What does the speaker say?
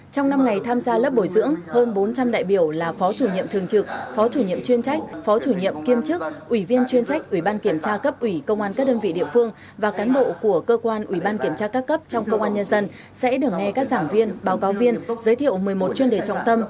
trong năm ngày tham gia lớp bồi dưỡng hơn bốn trăm linh đại biểu là phó chủ nhiệm thường trực phó chủ nhiệm chuyên trách phó chủ nhiệm kiêm chức ủy viên chuyên trách ủy ban kiểm tra cấp ủy công an các đơn vị địa phương và cán bộ của cơ quan ủy ban kiểm tra các cấp trong công an nhân dân sẽ được nghe các giảng viên báo cáo viên giới thiệu một mươi một chuyên đề trọng tâm